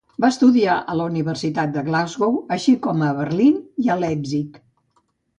Va estudiar a la Universitat de Glasgow, així com a Berlín i a Leipzig.